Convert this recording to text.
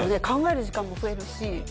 考える時間も増えるし。